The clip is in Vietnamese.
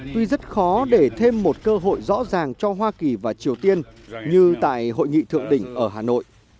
tuy rất khó để thêm một cơ hội rõ ràng cho hoa kỳ và triều tiên như tại hội nghị thượng đỉnh ở hà nội